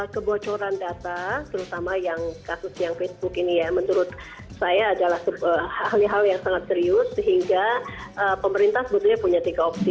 kebocoran data terutama yang kasus yang facebook ini ya menurut saya adalah hal hal yang sangat serius sehingga pemerintah sebetulnya punya tiga opsi